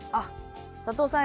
佐藤さん